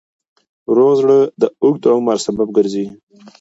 روغ زړه د اوږد عمر سبب ګرځي.